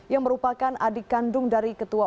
yang merupakan adik kandung dari ketua